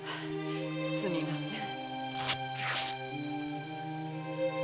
すみません。